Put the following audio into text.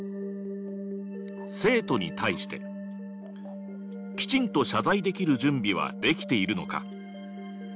生徒に対してきちんと謝罪できる準備はできているのか？